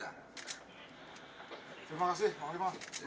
terima kasih panglima